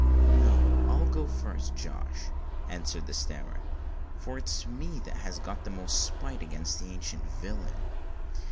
"No—I'll go fust, Josh," answered the Snammer; "for it's me that has got the most spite agin the ancient willain."